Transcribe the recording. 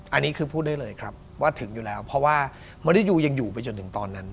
อันนี้คือพูดได้เลยครับว่าถึงอยู่แล้วเพราะว่ามริยูยังอยู่ไปจนถึงตอนนั้น